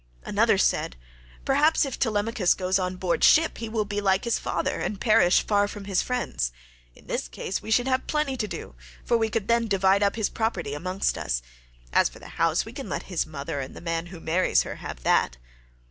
Another said, "Perhaps if Telemachus goes on board ship, he will be like his father and perish far from his friends. In this case we should have plenty to do, for we could then divide up his property amongst us: as for the house we can let his mother and the man who marries her have that."